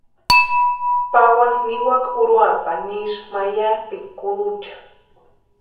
Pawani niwakani Uruapani isï meyapini kurucha.